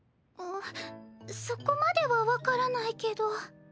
んっそこまでは分からないけど。